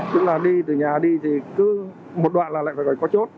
tức là đi từ nhà đi thì cứ một đoạn là lại phải có chốt